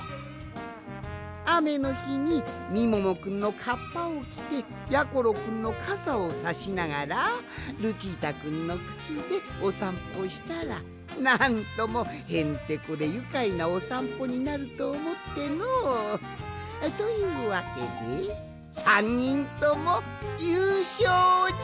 あめのひにみももくんのかっぱをきてやころくんのかさをさしながらルチータくんのくつでおさんぽしたらなんともへんてこでゆかいなおさんぽになるとおもっての。というわけで３にんともゆうしょうじゃ！